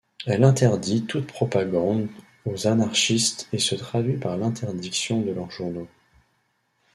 Elle interdit toute propagande aux anarchistes et se traduit par l'interdiction de leurs journaux.